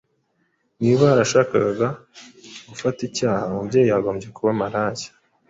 Niba yarashakaga gufata icyaha Umubyeyi yagombye kuba maraya,